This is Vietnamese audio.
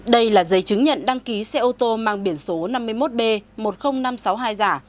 đây là giấy chứng nhận đăng ký xe ô tô mang biển số năm mươi một b một mươi nghìn năm trăm sáu mươi hai giả